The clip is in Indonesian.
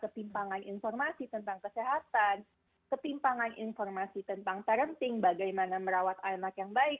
ketimpangan informasi tentang kesehatan ketimpangan informasi tentang parenting bagaimana merawat anak yang baik